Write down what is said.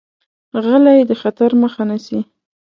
غلی، د خطر مخه نیسي.